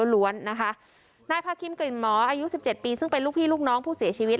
ล้วนนะคะนายพาคินกลิ่นหมออายุสิบเจ็ดปีซึ่งเป็นลูกพี่ลูกน้องผู้เสียชีวิต